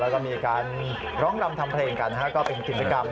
แล้วก็มีการร้องรำทำเพลงกันก็เป็นกิจกรรม